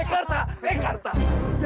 batik arah menghentikan tuhan